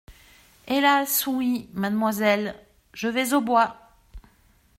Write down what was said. Hélas, oui ! mademoiselle ! je vais au bois !